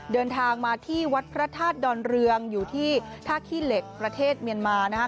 เดินทางมาที่วัดพระธาตุดอนเรืองอยู่ที่ท่าขี้เหล็กประเทศเมียนมานะครับ